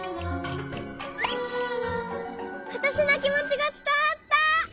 わたしのきもちがつたわった。